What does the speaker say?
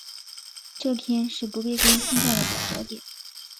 这天是不列颠空战的转折点。